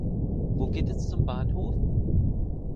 Wo geht es zum Bahnhof?